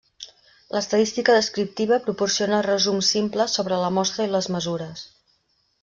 L'estadística descriptiva proporciona resums simples sobre la mostra i les mesures.